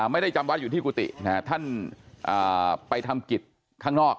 ไม่ได้จำวัดอยู่ที่กุฏิท่านไปทำกิจข้างนอก